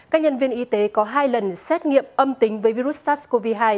các nhân viên y tế có hai lần xét nghiệm âm tính với virus sars cov hai